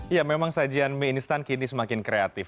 ya memang sajian mie instan kini semakin kreatif